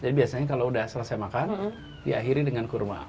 biasanya kalau udah selesai makan diakhiri dengan kurma